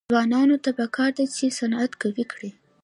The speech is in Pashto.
ځوانانو ته پکار ده چې، صنعت قوي کړي.